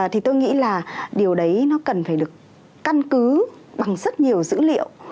thì tôi nghĩ là điều đấy nó cần phải được căn cứ bằng rất nhiều dữ liệu